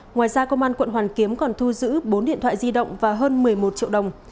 ngoài ra công an quận hoàn kiếm còn thu giữ bốn điện thoại di động và hơn một mươi một triệu đồng